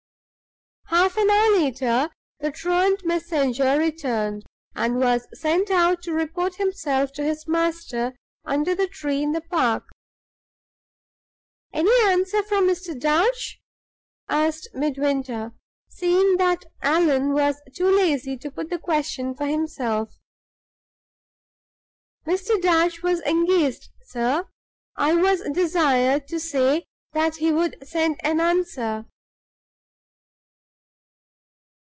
Half an hour later the truant messenger returned, and was sent out to report himself to his master under the tree in the park. "Any answer from Mr. Darch?" asked Midwinter, seeing that Allan was too lazy to put the question for himself. "Mr. Darch was engaged, sir. I was desired to say that he would send an answer."